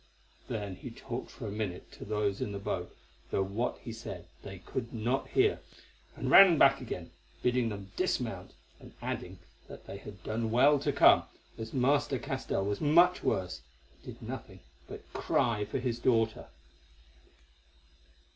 Then he talked for a minute to those in the boat, though what he said they could not hear, and ran back again, bidding them dismount, and adding that they had done well to come, as Master Castell was much worse, and did nothing but cry for his daughter.